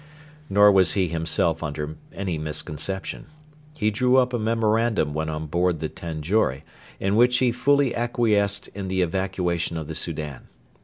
Nor was he himself under any misconception. He drew up a memorandum when on board the Tanjore in which he fully acquiesced in the evacuation of the Soudan.